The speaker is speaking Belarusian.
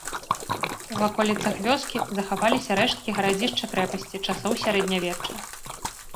У ваколіцах вёскі захаваліся рэшткі гарадзішча-крэпасці часоў сярэднявечча.